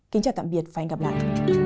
kính chào tạm biệt và hẹn gặp lại